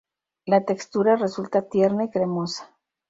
La textura resulta tierna y cremosa.